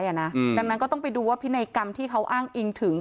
ดังนั้นก็ต้องไปดูว่าพินัยกรรมที่เขาอ้างอิงถึง